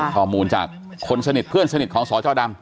ข้อมูลจากคนสนิทเพื่อนสนิทของสจดำ